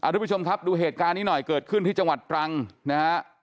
ทุกผู้ชมครับดูเหตุการณ์นี้หน่อยเกิดขึ้นที่จังหวัดตรังนะฮะ